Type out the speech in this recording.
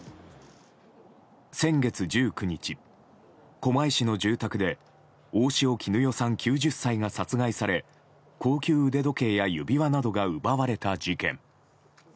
先月１９日、狛江市の住宅で大塩衣与さん、９０歳が殺害され、高級腕時計や指輪などが奪われた事件。